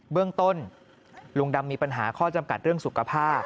เบื้องต้นลุงดำมีปัญหาข้อจำกัดเรื่องสุขภาพ